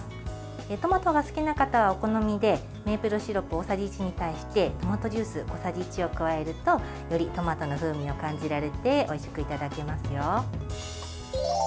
トマトが好きな方は、お好みでメープルシロップ大さじ１に対してトマトジュース小さじ１を加えるとよりトマトの風味が感じられておいしくいただけますよ。